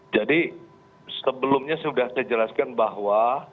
jadi sebelumnya sudah saya jelaskan bahwa